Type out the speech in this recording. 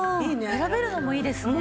選べるのもいいですね。